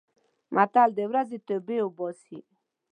متل: د ورځې توبې اوباسي.